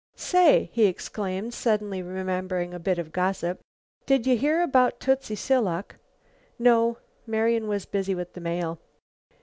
Say!" he exclaimed, suddenly remembering a bit of gossip, "did ye hear about Tootsie Silock?" "No." Marian was busy with the mail.